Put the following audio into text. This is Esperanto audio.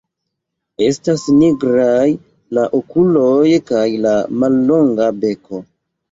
Estas nigraj la okuloj kaj la mallonga beko.